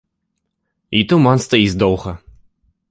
І туман стаіць доўга!